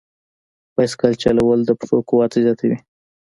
بایسکل چلول د پښو قوت زیاتوي.